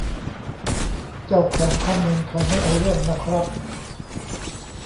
เจ้าของข้อมูลเขาไม่เอาเรื่องนะครับ